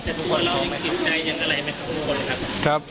แต่ตัวเรายังติดใจอย่างไรมั้ยครับทุกคนครับ